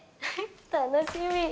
楽しみ